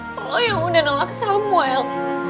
kalau yang udah nolak samuel